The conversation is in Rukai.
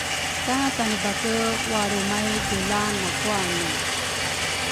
ka Tanebake walrumay dula nakuane.